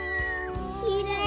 きれい！